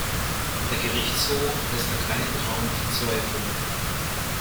Der Gerichtshof lässt da keinen Raum für Zweifel.